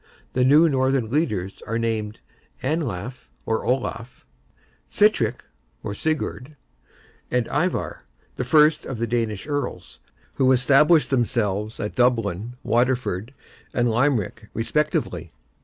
The new Northern leaders are named Anlaf, or Olaf, Sitrick (Sigurd?) and Ivar; the first of the Danish Earls, who established themselves at Dublin, Waterford and Limerick respectively.